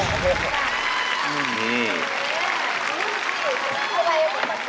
อะไรก็เหมือนตับบดหน้าทาบเลย